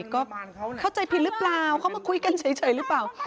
ก็เข้าใจผิดหรือเปล่าเขามาคุยกันเฉยหรือเปล่า